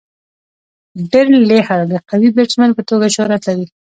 ډیرن لیهر د قوي بيټسمېن په توګه شهرت لري.